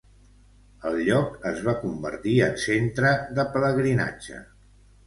El lloc es va convertir en centre de pelegrinatge.